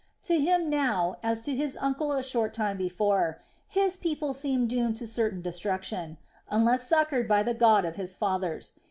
To him now, as to his uncle a short time before, his people seemed doomed to certain destruction, unless succored by the God of his fathers.